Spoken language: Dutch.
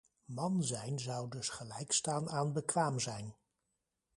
Man zijn zou dus gelijk staan aan bekwaam zijn.